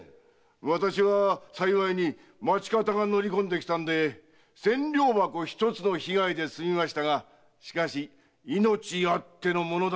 私は幸いに町方が乗り込んできたんで千両箱一つの被害で済みましたがしかし命あっての物種。